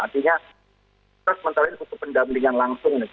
artinya terus sementara itu cukup pendampingan langsung nih